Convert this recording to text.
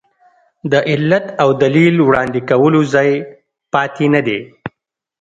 د علت او دلیل وړاندې کولو ځای پاتې نه دی.